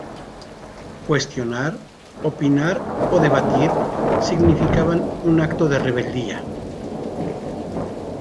Cuestionar, opinar o debatir significaban un acto de rebeldía.